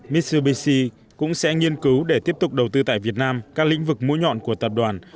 mitsubi cũng sẽ nghiên cứu để tiếp tục đầu tư tại việt nam các lĩnh vực mũi nhọn của tập đoàn